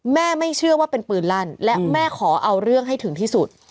ไม่เชื่อว่าเป็นปืนลั่นและแม่ขอเอาเรื่องให้ถึงที่สุด